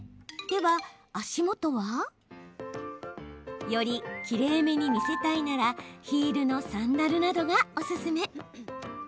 では足元は？よりきれいめに見せたいならヒールのサンダルなどがおすすめ。